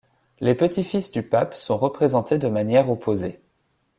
Les petits-fils du pape sont représentés de manières opposées.